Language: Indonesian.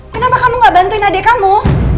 kenapa kamu gak bantuin adik kamu